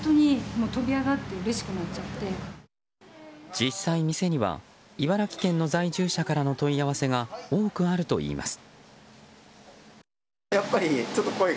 実際、店には茨城県の在住者からの問い合わせが多くあるといいます。